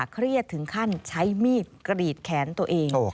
เครียดถึงขั้นใช้มีดกรีดแขนตัวเอง